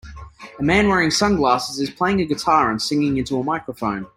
A man wearing sunglasses is playing a guitar and singing into a microphone.